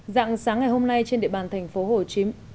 dạng sáng ngày hôm nay trên địa bàn tp hcm